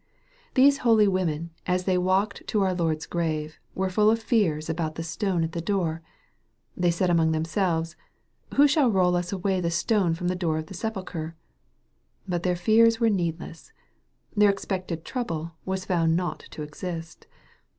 These holy women, as they walked to our Lord's grave, were full of fears about the stone at the door. " They said among themselves, Who shall roll us away the stone from the door of the sepulchre ?" But their fears were needless. Their expected trouble was found not to exist.